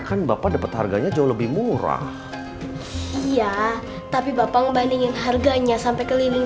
kan bapak dapat harganya jauh lebih murah iya tapi bapak ngebandingin harganya sampai keliling